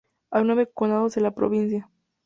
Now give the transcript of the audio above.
Hay nueve condados en la provincia.